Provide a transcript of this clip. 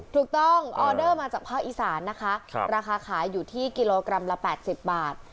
ถูกต้องออเดอร์มาจากภาคอีสานนะคะราคาขายอยู่ที่กิโลกรัมละ๘๐บาท